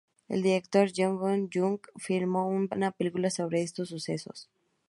El director Jeong Ji-Young filmó una película sobre estos sucesos.